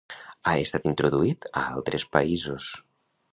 Ha estat introduït a altres països.